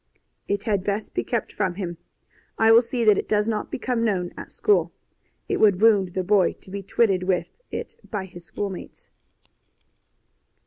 "It had best be kept from him. I will see that it does not become known at school. It would wound the boy to be twitted with it by his schoolmates."